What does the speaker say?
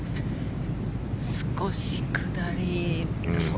少し下り